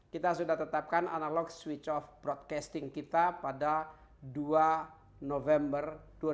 kita sudah tetapkan analog switch off broadcasting kita pada dua november dua ribu dua puluh